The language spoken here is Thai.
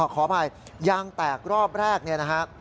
ขออภัยยางแตกรอบแรกเนี่ยนะฮะ